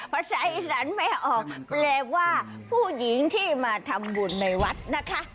ภาษาอีสานไม่ออกแปลว่าผู้หญิงที่มาทำบุญในวัดนะคะ